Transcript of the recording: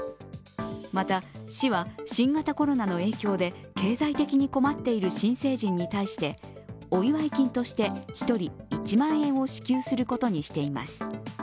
また市は、新型コロナの影響で経済的に困っている新成人に対してお祝い金として、１人１万円を支給することにしています。